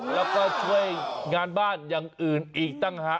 แล้วก็ช่วยงานบ้านอย่างอื่นอีกต่างหาก